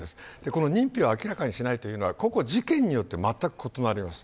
この認否を明らかにしないというのは事件によってまったく異なります。